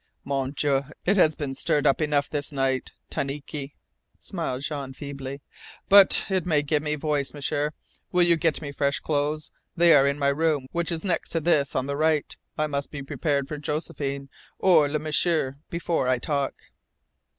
"Mon Dieu, it has been stirred up enough this night, tanike," smiled Jean feebly. "But it may give me voice, M'sieur. Will you get me fresh clothes? They are in my room which is next to this on the right. I must be prepared for Josephine or Le M'sieur before I talk."